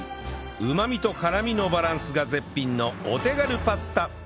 うまみと辛みのバランスが絶品のお手軽パスタ